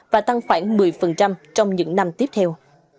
và tăng khoảng một mươi trong những năm tiếp theo